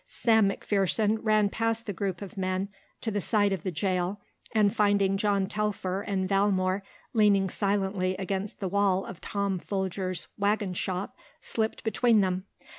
Sam McPherson ran past the group of men to the side of the jail and finding John Telfer and Valmore leaning silently against the wall of Tom Folger's wagon shop slipped between them.